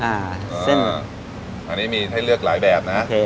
อ่าเส้นอันนี้มีให้เลือกหลายแบบนะฮะโอเค